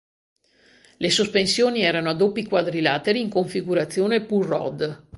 Le sospensioni erano a doppi quadrilateri in configurazione pull rod.